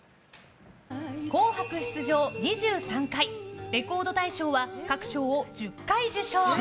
「紅白」出場２３回レコード大賞は各賞を１０回受賞。